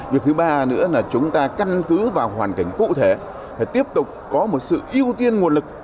việc thứ ba nữa là chúng ta căn cứ vào hoàn cảnh cụ thể phải tiếp tục có một sự ưu tiên nguồn lực